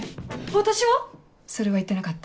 私は？それは言ってなかった。